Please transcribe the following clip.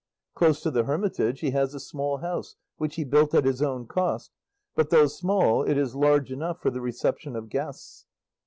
Close to the hermitage he has a small house which he built at his own cost, but though small it is large enough for the reception of guests."